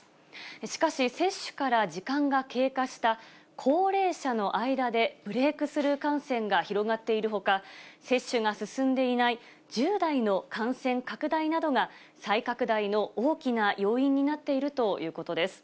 しかし、接種から時間が経過した高齢者の間でブレイクスルー感染が広がっているほか、接種が進んでいない１０代の感染拡大などが、再拡大の大きな要因になっているということです。